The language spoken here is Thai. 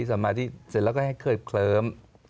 สมัยที่เสร็จแล้วก็ให้เคลือบเคลิบ